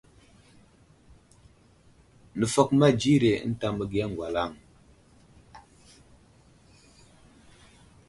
Nəfakoma dzire ənta məgiya ŋgalaŋ.